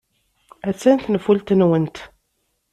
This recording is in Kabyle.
Attan tenfult-nwent.